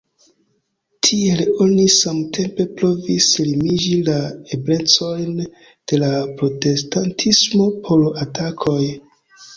Tiel oni samtempe provis limigi la eblecojn de la protestantismo por atakoj.